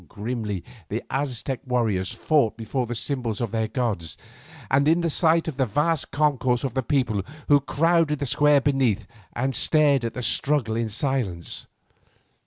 Grimly the Aztec warriors fought before the symbols of their gods, and in the sight of the vast concourse of the people who crowded the square beneath and stared at the struggle in silence.